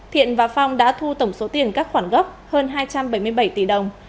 thiện và phong đã thu tổng số tiền các khoản gốc hơn hai trăm bảy mươi bảy tỷ đồng